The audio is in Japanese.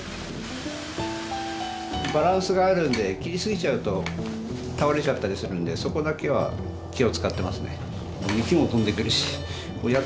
バランスがあるんで切りすぎちゃうと倒れちゃったりするんでそこだけは気を遣ってますね。